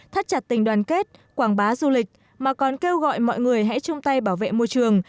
thắt chặt tình đoàn kết quảng bá du lịch mà còn kêu gọi mọi người hãy chung tay bảo vệ môi trường